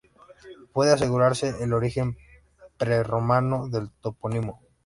Puede asegurarse el origen prerromano del topónimo.